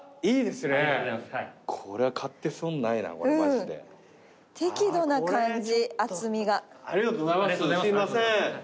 すいません。